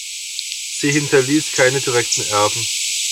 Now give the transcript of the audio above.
Sie hinterließ keine direkten Erben.